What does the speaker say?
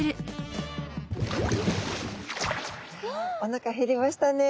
おなか減りましたね。